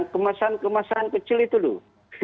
kemesan kemesan kecil itu tuh